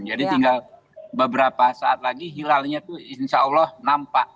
jadi tinggal beberapa saat lagi hilalnya tuh insya allah nampak